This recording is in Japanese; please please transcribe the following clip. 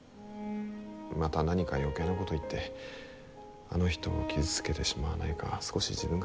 また何か余計なこと言ってあの人を傷つけてしまわないか少し自分が心配です。